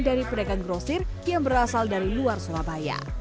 dari pedagang grosir yang berasal dari luar surabaya